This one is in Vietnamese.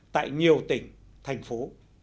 tại nhiều tỉnh thành phố